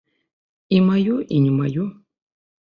І маё, і не маё.